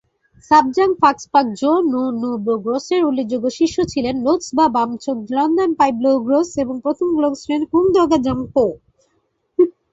সা-ব্জাং-'ফাগ্স-পা-গ্ঝোন-নু-ব্লো-গ্রোসের উল্লেখযোগ্য শিষ্য ছিলেন লো-ত্সা-বা-ম্ছোগ-ল্দান-পা'ই-ব্লো-গ্রোস এবং প্রথম ঙ্গোর-ছেন কুন-দ্গা'-ব্জাং-পো।